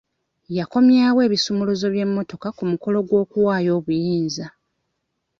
Yakomyawo ebisumuluzo by'emmotoka ku mukolo gw'okuwaayo obuyinza.